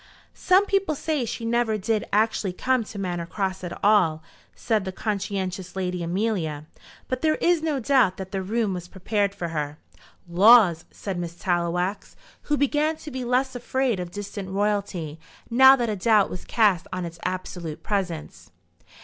"Some people say she never did actually come to Manor Cross at all," said the conscientious Lady Amelia; "but there is no doubt that the room was prepared for her." "Laws!" said Miss Tallowax, who began to be less afraid of distant royalty now that a doubt was cast on its absolute presence.